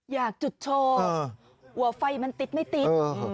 อยากจุดโชว์หัวไฟมันติดไม่ติด